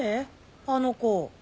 あの子。